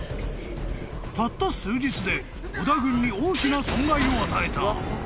［たった数日で織田軍に大きな損害を与えた］